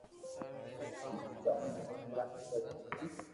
ھون ٻارآ درجہ پڙھيڙو ھون